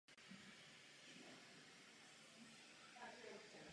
Z jeho čtyř rukopisných kopií Bible se jedna zachovala v Darmstadtu.